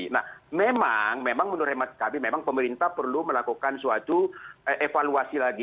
nah memang memang menurut hemat kami memang pemerintah perlu melakukan suatu evaluasi lagi